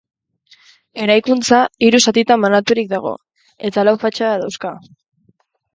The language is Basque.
Eraikuntza hiru zatitan banaturik dago eta lau fatxada dauzka.